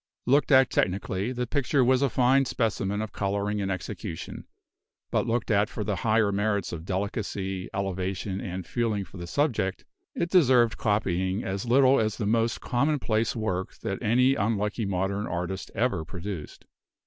Looked at technically, the picture was a fine specimen of coloring and execution; but looked at for the higher merits of delicacy, elevation, and feeling for the subject, it deserved copying as little as the most commonplace work that any unlucky modern artist ever produced.